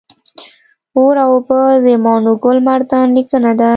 اور او اوبه د ماڼوګل مردان لیکنه ده